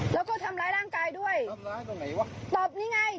แล้วก็ทำร้ายร่างกายด้วย